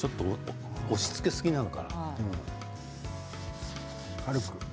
押しつけすぎなのかな？